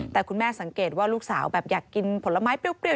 แต่คุณแม่สังเกตว่าลูกสาวแบบอยากกินผลไม้เปรี้ยว